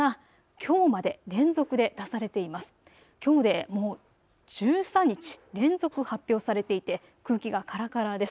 きょうでもう１３日連続発表されていて空気がからからです。